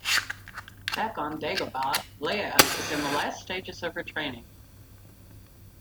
Back on Dagobah, Leia is in the last stages of her training.